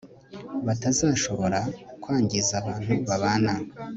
batazashobora kwangiza abantu babana